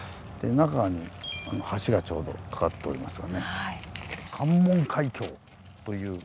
中に橋がちょうど架かっておりますよね。